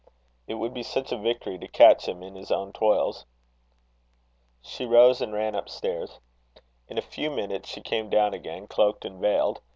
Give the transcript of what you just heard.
It would be such a victory to catch him in his own toils." She rose and ran up stairs. In a few minutes she came down again, cloaked and veiled.